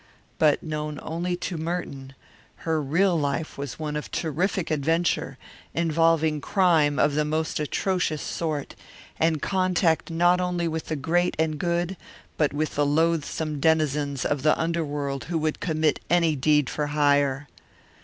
But, known only to Merton, her real life was one of terrific adventure, involving crime of the most atrocious sort, and contact not only with the great and good, but with loathsome denizens of the underworld who would commit any deed for hire.